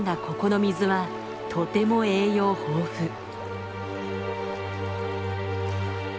ここの水はとても栄養豊富。